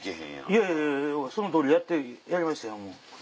いやいやそのとおりやってやりましたよ。